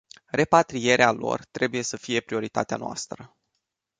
Repatrierea lor trebuie să fie prioritatea noastră.